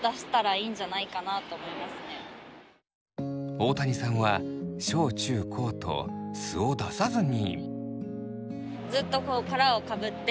大谷さんは小中高と素を出さずに。